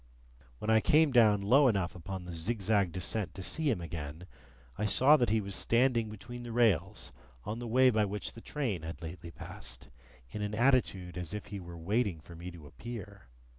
When I came down low enough upon the zigzag descent to see him again, I saw that he was standing between the rails on the way by which the train had lately passed, in an attitude as if he were waiting for me to appear.